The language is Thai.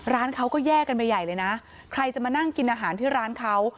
ร้านเขาก็แยกกันไปใหญ่เลยนะใครจะมานั่งกินอาหารที่ร้านเขา